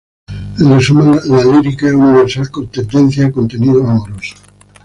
En resumen, la lírica es universal con tendencia a contenidos amorosos.